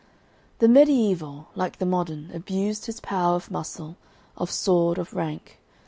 The Mediaeval, like the Modern, abused his power of muscle, of sword, of rank.